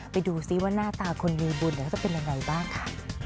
ไปดูสิว่าหน้าตาคนมีบุญเดี๋ยวจะเป็นอย่างไรบ้างค่ะ